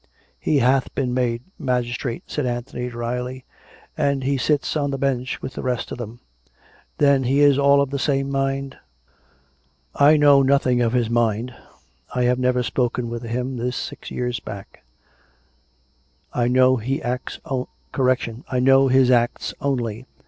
"He hath been made magistrate," said Anthony drily; " and he sits on the bench with the rest of them." " Then he is all of the same mind ?"" I know nothing of his mind. I have never spoken with him this six years back. I know his acts only.